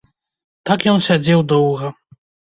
Так ён сядзеў доўга.